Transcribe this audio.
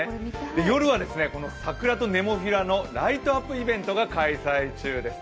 夜は桜とネモフィラのライトアップイベントが開催中です。